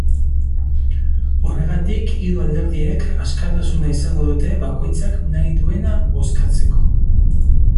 Horregatik, hiru alderdiek askatasuna izango dute bakoitzak nahi duena bozkatzeko.